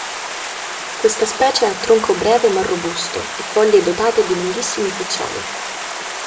Questa specie ha tronco breve ma robusto e foglie dotate di lunghissimi piccioli.